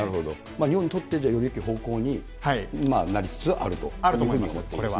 日本にとってよりよき方向になりつつあるというふうに思っていいですね。